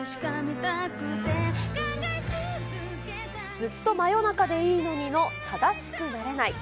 ずっと真夜中でいいのに。の正しくなれない。